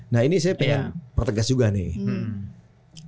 nah ini saya pengen pertegas juga nih